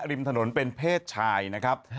ริมถนนเป็นเพศชายนะครับ